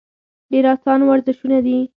ډېر اسان ورزشونه دي -